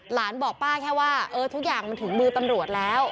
หลานบอกป้าแค่ว่าทุกอย่างมันถึงมือตำรวจแล้ว